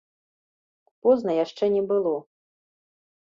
Позна яшчэ не было.